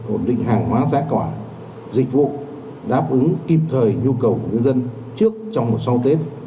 ổn định hàng hóa giá cả dịch vụ đáp ứng kịp thời nhu cầu của người dân trước trong và sau tết